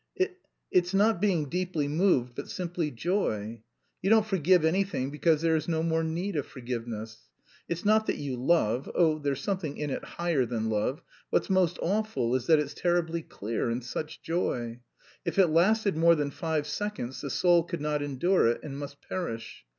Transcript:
It... it's not being deeply moved, but simply joy. You don't forgive anything because there is no more need of forgiveness. It's not that you love oh, there's something in it higher than love what's most awful is that it's terribly clear and such joy. If it lasted more than five seconds, the soul could not endure it and must perish.